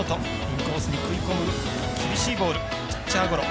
インコースに食い込む厳しいボール、ピッチャーゴロ。